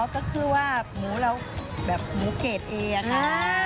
อ๋อเพราะมูเรานี่แบบหมูเกจเองค่ะ